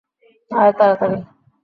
আয়, তাড়াতাড়ি!